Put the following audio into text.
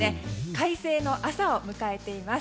快晴の朝を迎えています。